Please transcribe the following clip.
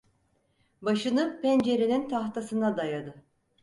Başını pencerenin tahtasına dayadı.